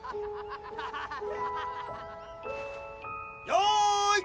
よい。